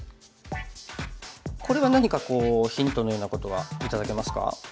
これは何かこうヒントのようなことは頂けますか？